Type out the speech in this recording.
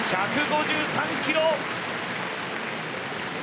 １５３キロ。